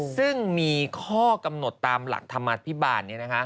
ซึ่งมีข้อกำหนดตามหลักธรรมาภิบาล